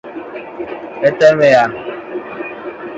It displays advertisements; for a payment they can be disabled.